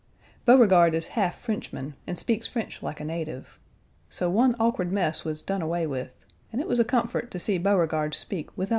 Beauregard is half Frenchman and speaks French like a native. So one awkward mess was done away with, and it was a comfort to see Beauregard speak without the agony 1.